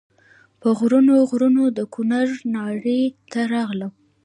په غرونو غرونو د کونړ ناړۍ ته راغلم.